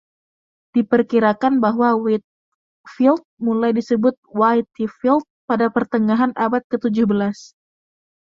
Diperkirakan bahwa Whitfield mulai disebut 'Whytefeld' pada pertengahan abad ketujuh belas.